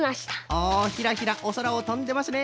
おヒラヒラおそらをとんでますね。